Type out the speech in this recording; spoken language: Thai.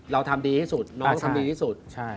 เราทำดีที่สุดน้องทำดีที่สุด